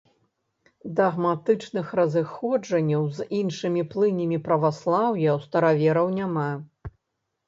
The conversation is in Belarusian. Дагматычных разыходжанняў з іншымі плынямі праваслаўя ў старавераў няма.